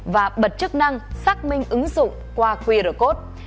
và bật chức năng xác minh ứng dụng qua qr code